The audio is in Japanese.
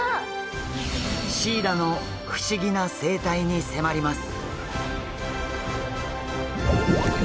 シイラの不思議な生態に迫ります。